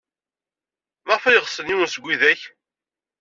Maɣef ay ɣsen yiwen seg widak?